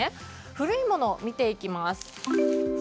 古いものを見ていきます。